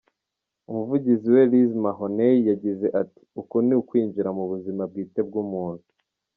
Umuvugizi we Liz Mahoney yagize ati: “uku ni ukwinjira mu buzima bwite bw’umuntu.